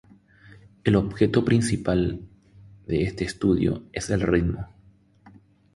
El objeto principal de este estudio es el ritmo.